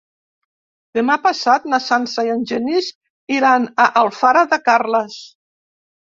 Demà passat na Sança i en Genís iran a Alfara de Carles.